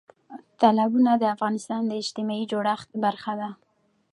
تالابونه د افغانستان د اجتماعي جوړښت برخه ده.